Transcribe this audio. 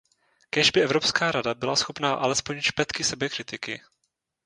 Kéž by Evropská rada byla schopná alespoň špetky sebekritiky.